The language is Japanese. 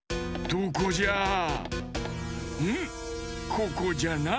ここじゃな。